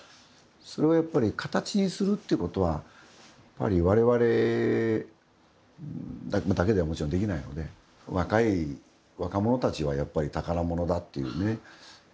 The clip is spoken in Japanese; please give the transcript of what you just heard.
それはやっぱり形にするってことはわれわれだけではもちろんできないので若者たちはやっぱり宝物だっていうね